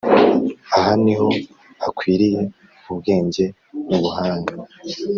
“Aha ni ho hakwiriye ubwenge n’ubuhanga.